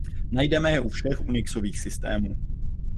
Najdeme je u všech unixových systémů.